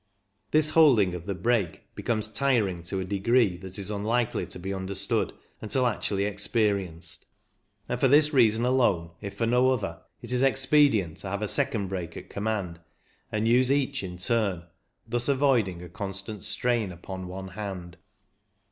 This holding of the brake becomes tiring to a degree that is unlikely to be understood until actually experienced, and for this reason alone, if for no other, it is expedient to have a second brake at command, and use each in turn, thus avoiding a constant strain upon one hand.